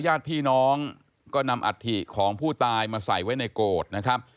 ญาติพี่น้องก็นำอัฐิของผู้ตายมาใส่ไว้ในโกรธนะครับ